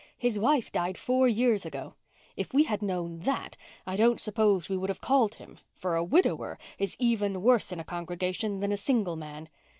His wife died four years ago. If we had known that I don't suppose we would have called him, for a widower is even worse in a congregation than a single man.